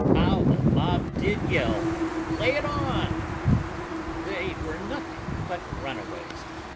How the mob did yell 'Lay it on!' They were nothing but runaways.